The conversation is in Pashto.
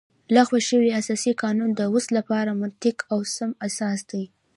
لغوه شوی اساسي قانون د اوس لپاره منطقي او سم اساس دی